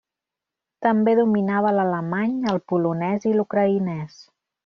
També dominava l'alemany, el polonès i l'ucraïnès.